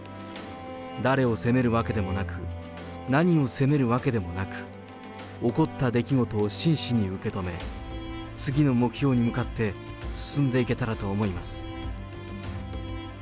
誰を責めるわけでもなく、何を責めるわけでもなく、起こった出来事を真摯に受け止め、次の目標に向かって進んでいけたらと思います。